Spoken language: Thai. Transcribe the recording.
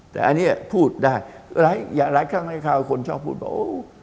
แต่อันนี้พูดได้หลายครั้งในข่าวคนชอบพูดว่า